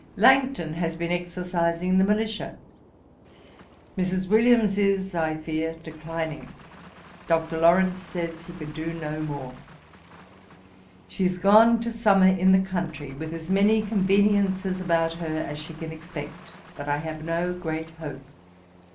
'Langton has been exercising the militia. Mrs. Williams is, I fear, declining. Dr. Lawrence says he can do no more. She is gone to summer in the country, with as many conveniences about her as she can expect; but I have no great hope.